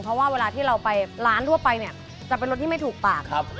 เพราะว่าเวลาที่เราไปร้านทั่วไปเนี่ยจะเป็นรถที่ไม่ถูกปาก